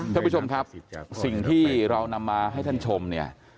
ท่านผู้ชมครับสิ่งที่เรานำมาให้ท่านชมเนี่ย